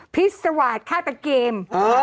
พิษสวาสธาตุเกม